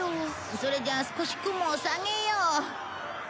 それじゃあ少し雲を下げよう。